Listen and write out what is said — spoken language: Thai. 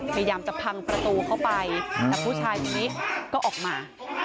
พยายามจะพังประตูเข้าไปแต่ผู้ชายนี้ก็ออกมา